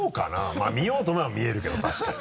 まぁ見ようと思えば見えるけど確かに。